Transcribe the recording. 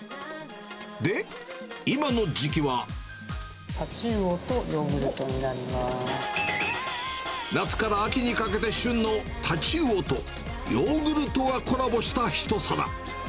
で、今の時期は。太刀魚とヨーグルトになりま夏から秋にかけて旬のタチウオと、ヨーグルトがコラボした一皿。